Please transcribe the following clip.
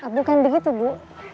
bukan begitu bu